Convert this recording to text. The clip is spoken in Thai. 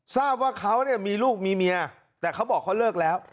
ทราบว่าเขาเนี่ยมีลูกมีเมียแต่เขาบอกเขาเลิกแล้ว